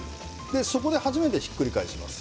ここで初めてひっくり返します。